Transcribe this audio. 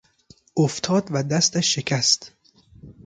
افتاد و دستش شکست.